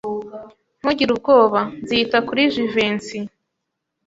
Ntugire ubwoba. Nzita kuri Jivency.